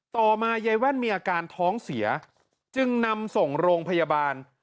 ต่อมายายแว่นมีอาการท้องเสียจึงนำส่งโรงพยาบาล